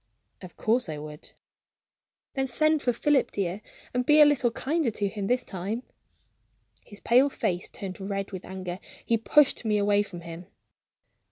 "Of course I would." "Then send for Philip, dear, and be a little kinder to him, this time." His pale face turned red with anger; he pushed me away from him.